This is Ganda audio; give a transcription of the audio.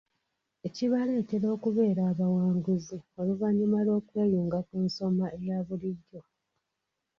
Kibaleetera okubeera abawanguzi oluvannyuma lw’okweyunga ku nsoma eya bulijjo.